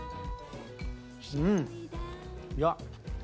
うんいや。